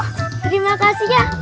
terima kasih ya